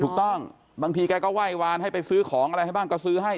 บางทีแกก็ไหว้วานให้ไปซื้อของอะไรให้บ้างก็ซื้อให้